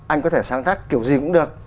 anh có thể sáng tác kiểu gì cũng được